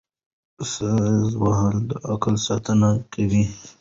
ساز وهل د عقل ساتنه کوي.